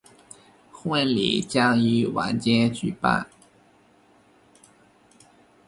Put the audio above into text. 婚礼将于晚间举办。